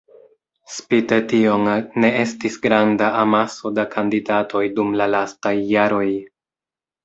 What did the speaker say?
Spite tion ne estis granda amaso da kandidatoj dum la lastaj jaroj.